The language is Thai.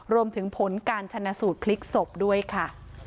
รวมถึงผลการชนะสูตรพลิกศพด้วยค่ะ